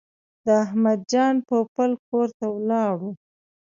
د احمد جان پوپل کور ته ولاړو.